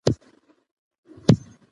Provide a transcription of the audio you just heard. هغه د خپلو ځواکونو د اتل په نوم یادېږي.